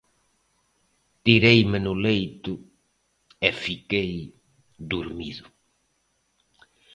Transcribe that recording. Tireime no leito e fiquei durmido.